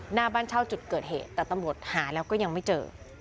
หน้าบ้านเช่าจุดเกิดเหตุแต่ตำรวจหาแล้วก็ยังไม่เจอ